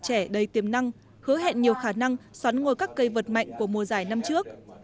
trẻ đầy tiềm năng hứa hẹn nhiều khả năng xoắn ngồi các cây vật mạnh của mùa giải năm trước